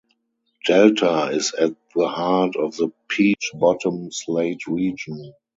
Delta is at the heart of the Peach Bottom Slate Region.